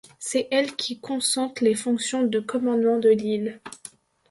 C'est elle qui concentre les fonctions de commandement de l'île.